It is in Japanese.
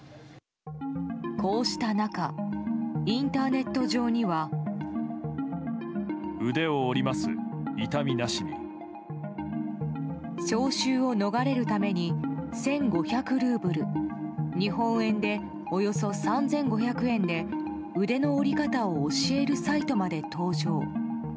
こうした中インターネット上には。招集を逃れるために１５００ルーブル日本円で、およそ３５００円で腕の折り方を教えるサイトまで登場。